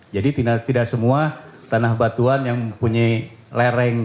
tidak semua tanah batuan yang mempunyai lereng